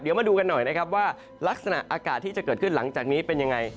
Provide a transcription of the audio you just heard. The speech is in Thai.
เดี๋ยวมาดูกันหน่อยนะครับว่าลักษณะอากาศที่จะเกิดขึ้นหลังจากนี้เป็นยังไง